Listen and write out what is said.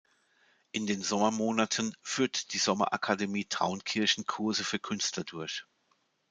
In den Sommermonaten führt die Sommerakademie Traunkirchen Kurse für Künstler durch.